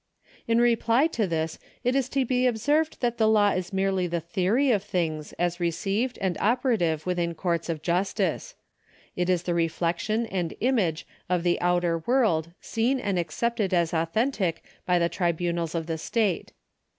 In reply to this it is to be observed that the law is merely the theory of things as received and operative within courts of justice. It is the reflection and image of the outer world seen and accepted as authentic by the tribunals of the state.